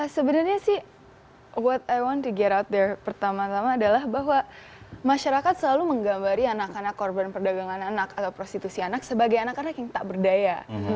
sebenarnya sih what i want toget outdoor pertama tama adalah bahwa masyarakat selalu menggambari anak anak korban perdagangan anak atau prostitusi anak sebagai anak anak yang tak berdaya